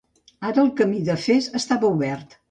Ara el camí de Fes estava obert.